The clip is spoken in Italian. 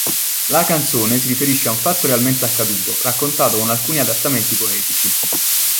La canzone si riferisce a un fatto realmente accaduto, raccontato con alcuni adattamenti poetici.